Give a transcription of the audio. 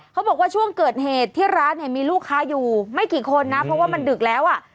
เขาบอกว่าช่วงเกิดเหตุที่ร้านเนี่ยมีลูกค้าอยู่ไม่กี่คนนะเพราะว่ามันดึกแล้วอ่ะ